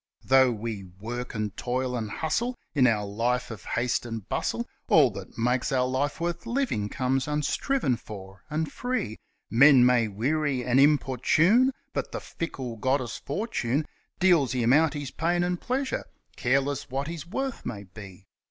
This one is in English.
..... Though we work and toil and hustle in our life of haste and bustle, All that makes our life worth living comes unstriven for and free; Man may weary and importune, but the fickle goddess Fortune Deals him out his pain or pleasure, careless what his worth may be.